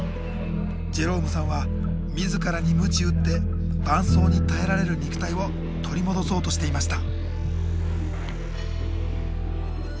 ジェロームさんは自らにむち打って伴走に耐えられる肉体を取り戻そうとしていました。